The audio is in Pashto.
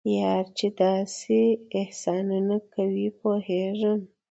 یار چې داسې احسانونه کوي پوهیږم.